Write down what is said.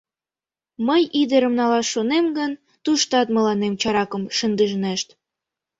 Мый ӱдырым налаш шонем гын, туштат мыланем чаракым шындынешт...»